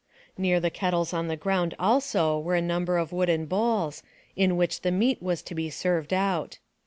Near the kettles on the ground, also, were a number of wooden bowls, in which the meat was to be served out.